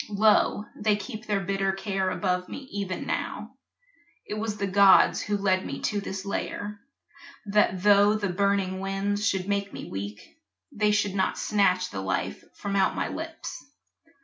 Lo, they keep Their bitter care above me even now. It was the gods who led me to this lair, That tho' the burning winds should make me weak, They should not snatch the life from out my lips.